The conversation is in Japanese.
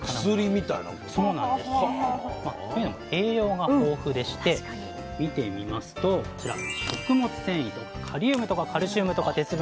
というのも栄養が豊富でして見てみますとこちら食物繊維とかカリウムとかカルシウムとか鉄分。